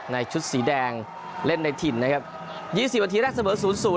ในชุดสีแดงเล่นในถิ่นนะครับยี่สิบวันทีแรกเสมอศูนย์ศูนย์